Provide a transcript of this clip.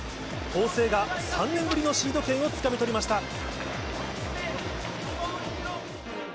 法政が３年ぶりのシード権をつかみ取りました。